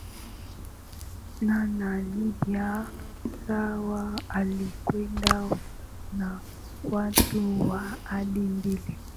na na libya sawa alikwenda na watu wa aina mbili